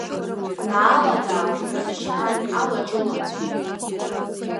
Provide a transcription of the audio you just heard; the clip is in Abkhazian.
Наала даақәыԥсычҳан, алаҿылымҭит.